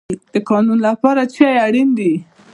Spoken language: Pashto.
د قانون لپاره څه شی اړین دی؟